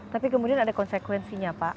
tapi kemudian ada konsekuensinya pak